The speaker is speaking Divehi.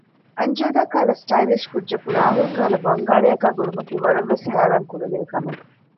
އަންޖޫދާ ކަހަލަ ސްޓައިލިޝް ކުއްޖަކު ރާހުލް ކަހަލަ ބަންގާޅި އަކާ ގުޅުމަކީ ވަރަށް ވެސް ހައިރާންކުރަނިވި ކަމެއް